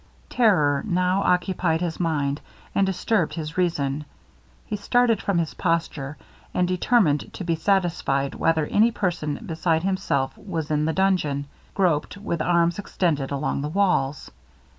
Terror now occupied his mind, and disturbed his reason; he started from his posture, and, determined to be satisfied whether any person beside himself was in the dungeon, groped, with arms extended, along the walls.